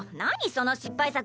その失敗作。